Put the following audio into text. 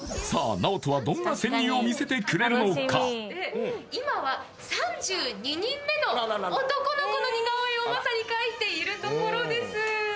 ＮＡＯＴＯは今は３２人目の男の子の似顔絵をまさに描いているところです